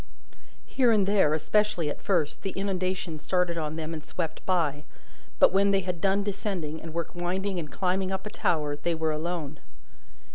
Here and there, especially at first, the inundation started on them and swept by; but when they had done descending, and were winding and climbing up a tower, they were alone.